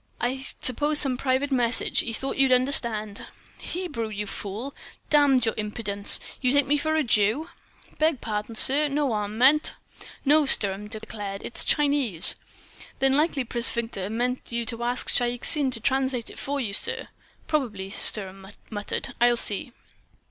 I suppose some private message, 'e thought you'd understand." "Hebrew, you fool! Damn your impudence! Do you take me for a Jew?" "Beg pardon, sir—no 'arm meant." "No," Sturm declared, "it's Chinese." "Then likely Prince Victor meant you to ask Shaik Tsin to translate it for you, sir." "Probably," Sturm muttered. "I'll see."